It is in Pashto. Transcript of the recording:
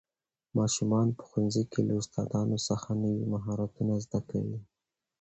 ماشومان په ښوونځي کې له استادانو څخه نوي مهارتونه زده کوي